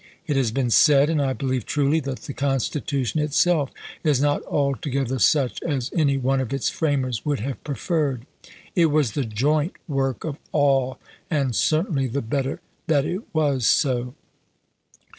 It has been said, and I believe truly, that the Constitution itself is not altogether such as any one of its f ramers would have preferred. It was the joint work of all, and certainly the better that it was so.